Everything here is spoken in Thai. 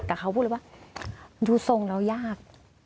แต่เขาพูดเลยว่าดูทรงแล้วยาก